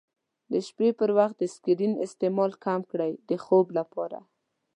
د شپې پر وخت د سکرین استعمال کم کړئ د خوب لپاره.